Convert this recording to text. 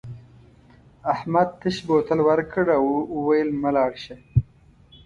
احمد تش بوتل ورکړ او وویل مه لاړ شه.